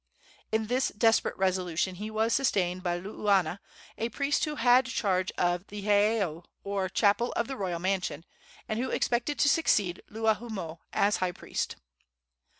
In this desperate resolution he was sustained by Luuana, a priest who had charge of the heiau or chapel of the royal mansion, and who expected to succeed Luahoomoe as high priest.